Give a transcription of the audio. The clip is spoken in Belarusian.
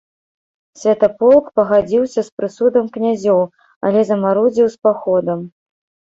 Святаполк пагадзіўся з прысудам князёў, але замарудзіў з паходам.